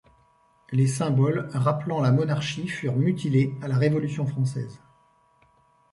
Les symboles rappelant la monarchie furent mutilés à la Révolution française.